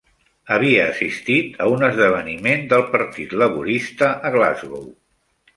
Havia assistit a un esdeveniment del Partit Laborista a Glasgow.